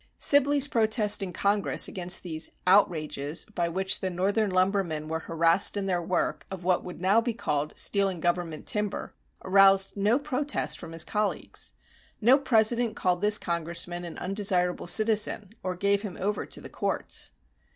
Sibley's protest in congress against these "outrages" by which the northern lumbermen were "harassed" in their work of what would now be called stealing government timber, aroused no protest from his colleagues. No president called this congressman an undesirable citizen or gave him over to the courts.